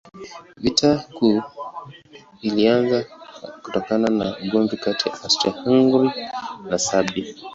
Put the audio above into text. Vita Kuu ilianza kutokana na ugomvi kati ya Austria-Hungaria na Serbia.